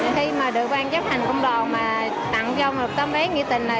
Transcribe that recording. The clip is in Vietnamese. khi mà được ban chấp hành công đoàn mà tặng cho một tấm bé nghỉ tình này